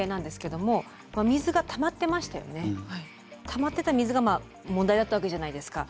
たまってた水が問題だったわけじゃないですか。